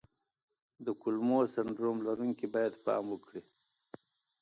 د کولمو سنډروم لرونکي باید پام وکړي.